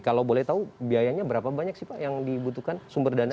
kalau boleh tahu biayanya berapa banyak sih pak yang dibutuhkan sumber dana